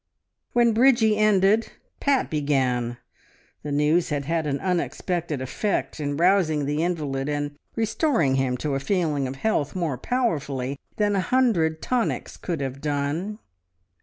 When Bridgie ended Pat began. The news had had an unexpected effect, in rousing the invalid and restoring him to a feeling of health more powerfully than a hundred tonics could have done.